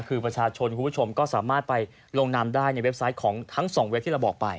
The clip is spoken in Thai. คือประชาชนคุณผู้ชมก็สามารถไปลงนามได้ในเว็บไซต์ของทั้งสองเว็บที่เราบอกไป